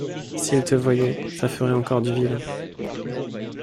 S’il te voyait, ça ferait encore du vilain.